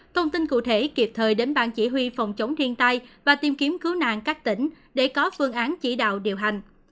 thông tin cụ thể kịp thời đến ban chỉ huy phòng chống thiên tai và tìm kiếm cứu nạn các tỉnh để có phương án chỉ đạo điều hành